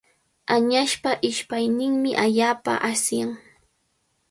Añaspa ishpayninmi allaapa asyan.